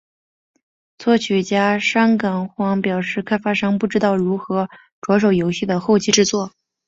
作曲家山冈晃表示开发商不知道如何着手游戏的后期制作。